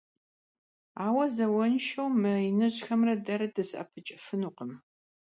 Ауэ, зауэншэу мы иныжьхэм дэрэ дызэӀэпыкӀыфынукъым.